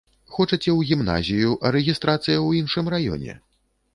Хочаце ў гімназію, а рэгістрацыя ў іншым раёне?